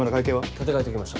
立て替えときました。